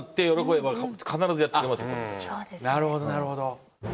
なるほどなるほど。